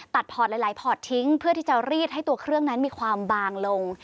พอร์ตหลายพอร์ตทิ้งเพื่อที่จะรีดให้ตัวเครื่องนั้นมีความบางลง